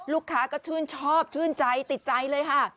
ลูกค้าก็ชื่นชอบชื่นใจติดใจเลยค่ะ